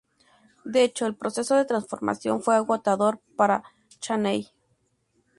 De hecho, el proceso de transformación fue agotador para Chaney.